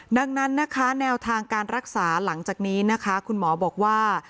ดังนั้นนะคะแนวทางการรักษาหลังจากนี้นะคะคุณหมอบอกว่า